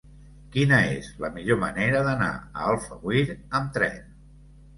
Quina és la millor manera d'anar a Alfauir amb tren?